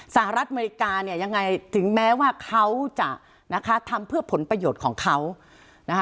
สหรัฐอเมริกาเนี่ยยังไงถึงแม้ว่าเขาจะนะคะทำเพื่อผลประโยชน์ของเขานะคะ